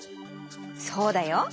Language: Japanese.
そうだよ。